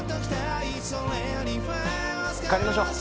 帰りましょう。